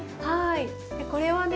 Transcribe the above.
これはね